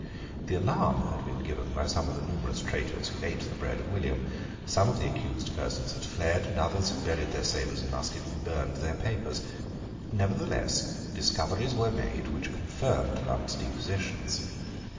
The alarm had been given by some of the numerous traitors who ate the bread of William. Some of the accused persons had fled; and others had buried their sabres and muskets and burned their papers. Nevertheless, discoveries were made which confirmed Lunt's depositions.